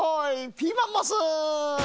ピーマンモス！